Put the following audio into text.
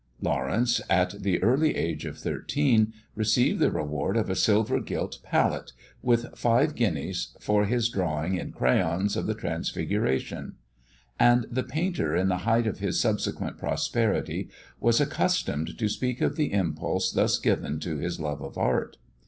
Lawrence, at the early age of thirteen, received the reward of a silver gilt palette, with five guineas, for his drawing in crayons of the Transfiguration; and the painter in the height of his subsequent prosperity, was accustomed to speak of the impulse thus given to his love of art.